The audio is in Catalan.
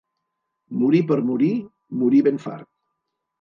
Morir per morir, morir ben fart.